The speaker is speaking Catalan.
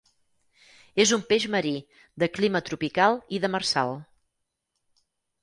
És un peix marí, de clima tropical i demersal.